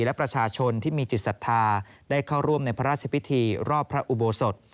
และประชาชนที่มีจิตศรัทธาได้เข้าร่วมในพระราชพิธีรอบพระอุโบสถ